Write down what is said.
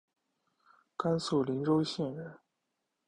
甘肃灵川县人。